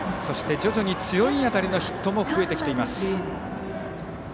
そして徐々に、強い当たりのヒットも増えてきています。